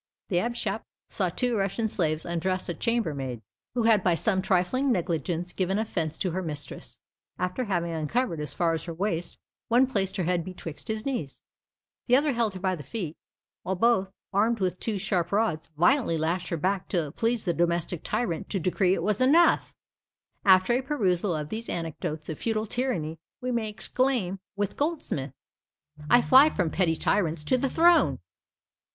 The Abbé Chappe saw two Russian slaves undress a chambermaid, who had by some trifling negligence given offence to her mistress; after having uncovered as far as her waist, one placed her head betwixt his knees; the other held her by the feet; while both, armed with two sharp rods, violently lashed her back till it pleased the domestic tyrant to decree it was enough! After a perusal of these anecdotes of feudal tyranny, we may exclaim with Goldsmith "I fly from PETTY TYRANTS to the THRONE."